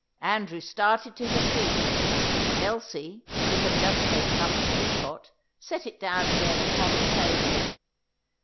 Andrew started to his feet. Elsie, who had just taken up the teapot, set it down again upon the table.